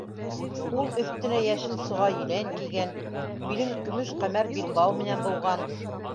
Ул өҫтөнә йәшел соға елән кейгән, билен көмөш ҡәмәр билбау менән быуған.